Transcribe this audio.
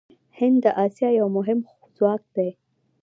هند د اسیا یو مهم ځواک دی.